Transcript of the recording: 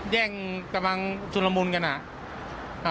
แย่งกำลังชุดละมุนกันอ่ะ